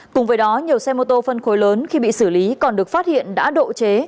cùng với đó nhiều xe mô tô phân khối lớn khi bị xử lý còn được phát hiện đã độ chế